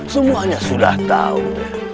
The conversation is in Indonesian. semuanya sudah tahu der